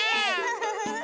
フフフフ！